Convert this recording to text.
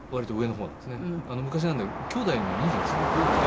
昔なんできょうだいの人数がすごく多くて。